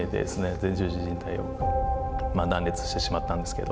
前十字じん帯を断裂してしまったんですけど。